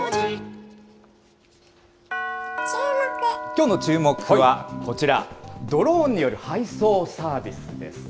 きょうのチューモク！は、こちら、ドローンによる配送サービスです。